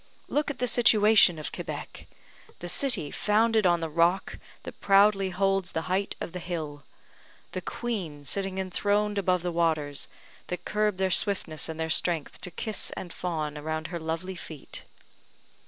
Look at the situation of Quebec! the city founded on the rock that proudly holds the height of the hill. The queen sitting enthroned above the waters, that curb their swiftness and their strength to kiss and fawn around her lovely feet.